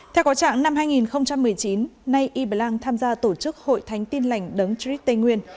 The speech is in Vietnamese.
theo có trạng năm hai nghìn một mươi chín nay y blang tham gia tổ chức hội thánh tin lành đấng trích tây nguyên